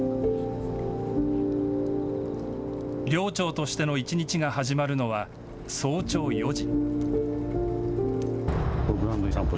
寮長としての１日が始まるのは、早朝４時。